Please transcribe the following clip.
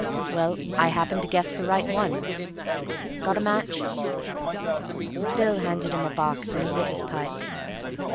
Well, I happened to guess the right one. Got a match?" Bill handed him a box, and he lit his pipe.